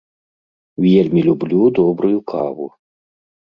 Вельмі люблю добрую каву.